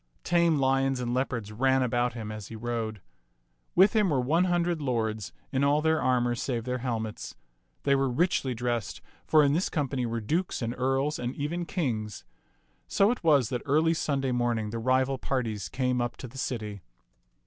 Tame lions and leopards ran about him as he rode. With him were one hundred lords in all their armor save their helmets. They were richly dressed, for in this company were dukes and earls and even kings. So it was that early Sunday morning the rival parties came up to the city.